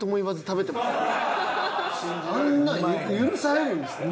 あんなん許されるんですか？